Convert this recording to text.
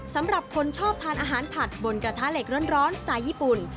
สำหรับคนชอบทานอาหารผัดบนกระทะเหล็กร้อนสไตล์ญี่ปุ่น